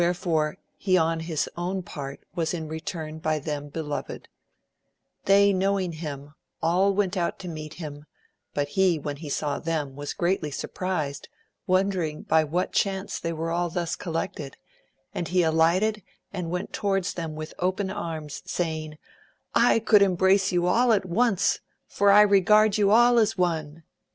m. 6 82 AMADIS OF GAUL fore he on his part was in return by them beloreA They knowing him, all went out to meet him, but he when he saw them, was greatly surprized, wondering by what chance they were all thus collected, and he alighted and went towards them with open arms, say* ing, I could embrace you all at once, for I regard you all as one.